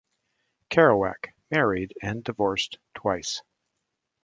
Kerouac married and divorced twice.